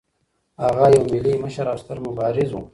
هغه یو ملي مشر او یو ستر مبارز و.